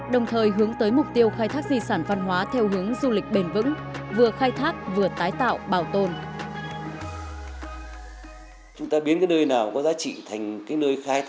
đồng thời hướng tới mục tiêu khai thác di sản văn hóa theo hướng du lịch bền vững vừa khai thác vừa tái tạo bảo tồn